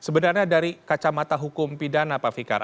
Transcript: sebenarnya dari kacamata hukum pidana pak fikar